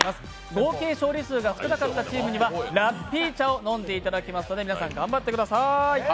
合計勝利数が少なかったチームにはラッピー茶を飲んでいただきますので皆さん頑張ってください。